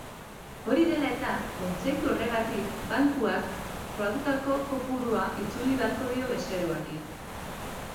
Hori dela eta, kontzeptu horregatik bankuak kobratutako kopurua itzuli beharko dio bezeroari.